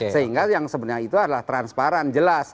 sehingga yang sebenarnya itu adalah transparan jelas